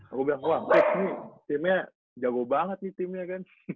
aku bilang wah ini timnya jago banget nih timnya kan